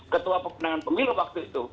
ketua pemenangan pemilu waktu itu